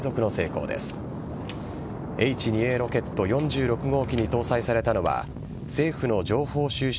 ロケット４６号機に搭載されたのは政府の情報収集